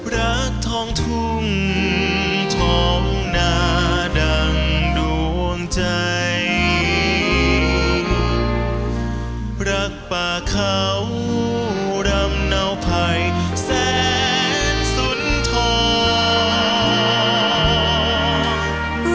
รักทองทุ่งทองนาดังดวงใจรักป่าเขารำเนาภัยแสนสุนทอง